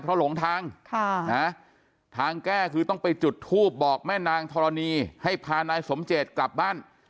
เพราะหลงทางทางแก้คือต้องไปจุดทูบบอกแม่นางธรณีให้พานายสมเจตกลับบ้าน